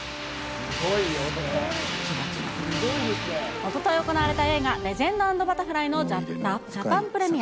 おととい行われた映画、レジェンド＆バタフライのジャパンプレミア。